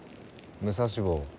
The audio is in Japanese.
武蔵坊。